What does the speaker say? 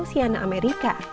tapi di laosiana amerika